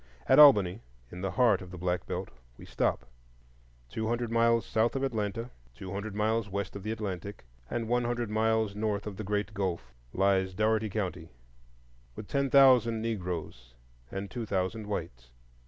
At Albany, in the heart of the Black Belt, we stop. Two hundred miles south of Atlanta, two hundred miles west of the Atlantic, and one hundred miles north of the Great Gulf lies Dougherty County, with ten thousand Negroes and two thousand whites.